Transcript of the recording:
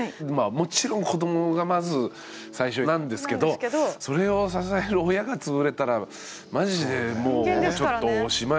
もちろん子どもがまず最初なんですけどそれを支える親が潰れたらマジでもうちょっとおしまいですもんね。